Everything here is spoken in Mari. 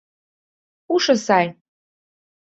Пушо сай.